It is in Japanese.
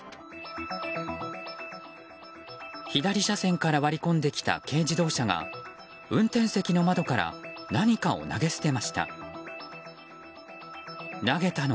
左車線から割り込んできた軽自動車が運転席の窓から何かを投げ捨てました。